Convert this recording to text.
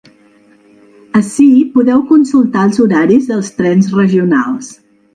Ací podeu consultar els horaris dels trens regionals.